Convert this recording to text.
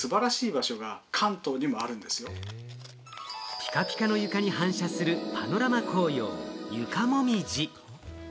ピカピカの床に反射するパノラマ紅葉、床もみじ。